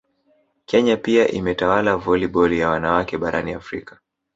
Kenya pia imetawala voliboli ya wanawake barani Afrika